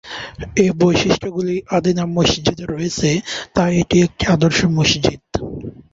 এ বৈশিষ্ট্যগুলি আদিনা মসজিদে রয়েছে, তাই এটি একটি ‘আদর্শ’ মসজিদ।